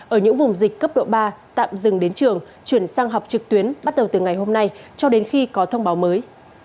ở những vùng dịch cấp độ ba tạm dừng đến trường chuyển sang học trực tuyến bắt đầu từ ngày hôm nay cho đến khi có thông báo mới